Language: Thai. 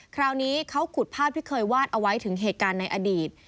คราวนี้เขาขุดภาพที่เคยวาดเอาไว้ถึงเหตุการณ์ในอดีต